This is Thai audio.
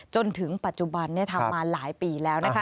จนถึงปัจจุบันทำมาหลายปีแล้วนะคะ